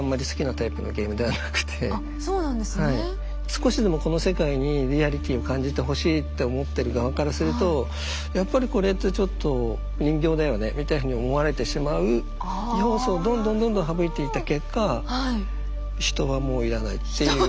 少しでもこの世界にリアリティを感じてほしいって思ってる側からするとやっぱりこれってちょっと人形だよねみたいに思われてしまう要素をどんどんどんどんはぶいていった結果人はもう要らないっていう。